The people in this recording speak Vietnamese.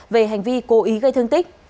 về hành vi cố ý gây thương tích